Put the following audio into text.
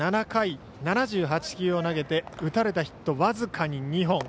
７回７８球を投げて打たれたヒット、僅かに２本。